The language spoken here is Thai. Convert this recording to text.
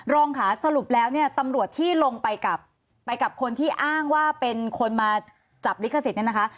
รองค่ะสรุปแล้วเนี่ยตำรวจที่ลงไปกับไปกับคนที่อ้างว่าเป็นคนมาจับลิขสิทธิ์เนี่ยนะคะ